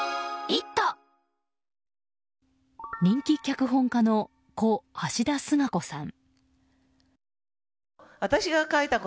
人気脚本家の故・橋田壽賀子さん。